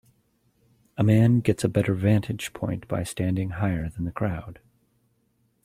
A man gets a better vantage point by standing higher than the crowd.